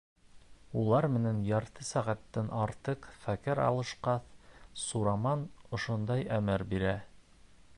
Улар менән ярты сәғәттән артыҡ фекер алышҡас, Сураман ошондай әмер бирә: